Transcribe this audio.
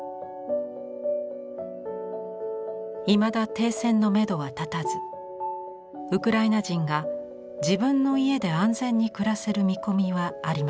いまだ停戦のめどは立たずウクライナ人が自分の家で安全に暮らせる見込みはありません。